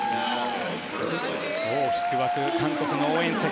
大きく沸く韓国の応援席。